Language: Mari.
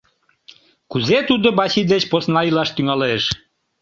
Кузе тудо Вачи деч посна илаш тӱҥалеш?